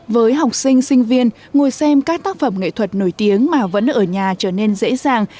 với học sinh sinh viên ngồi xem các tác phẩm nghệ thuật nổi tiếng mà vẫn ở nhà trở nên dễ dàng